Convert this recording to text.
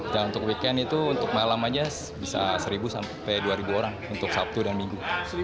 dan untuk weekend itu untuk malam aja bisa seribu sampai dua ribu orang untuk sabtu dan minggu